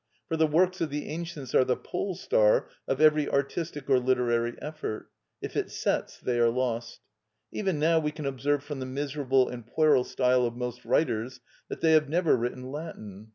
For the works of the ancients are the pole star of every artistic or literary effort; if it sets they are lost. Even now we can observe from the miserable and puerile style of most writers that they have never written Latin.